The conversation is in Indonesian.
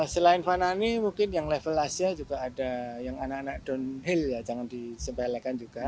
selain fanani mungkin yang level asia juga ada yang anak anak downhill ya jangan disempelekan juga